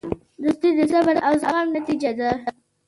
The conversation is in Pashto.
دوستي د صبر او زغم نتیجه ده.